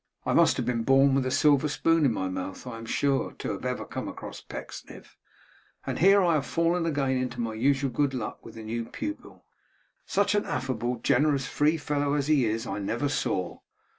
I must have been born with a silver spoon in my mouth, I am sure, to have ever come across Pecksniff. And here have I fallen again into my usual good luck with the new pupil! Such an affable, generous, free fellow, as he is, I never saw.